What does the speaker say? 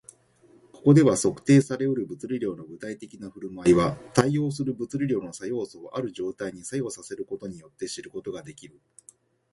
ここでは、測定され得る物理量の具体的な振る舞いは、対応する物理量の作用素をある状態に作用させることによって知ることができる